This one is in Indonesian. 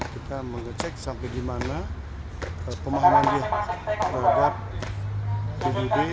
kita mengecek sampai di mana pemahaman dia terhadap pbb